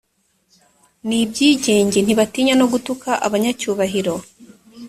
ni ibyigenge ntibatinya no gutuka abanyacyubahiro